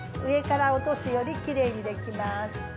上から落とすよりきれいにできます。